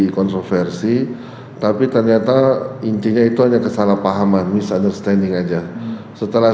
kontroversi tapi ternyata intinya itu hanya kesalahpahaman mis understanding aja setelah